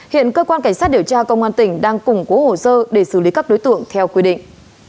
hiện cơ quan cảnh sát điều tra công an tỉnh đang củng cố hồ sơ để xử lý các đối tượng theo quy định